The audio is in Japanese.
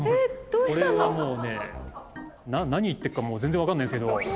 これはもうね何言ってるかもう全然分かんないっすけど。